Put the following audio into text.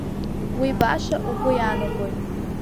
Уи баша угәы иаанагоит.